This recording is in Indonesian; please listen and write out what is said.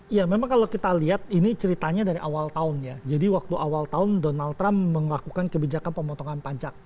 ya memang kalau kita lihat ini ceritanya dari awal tahun ya jadi waktu awal tahun donald trump melakukan kebijakan pemotongan pajak